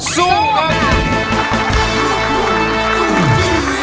สู้กัน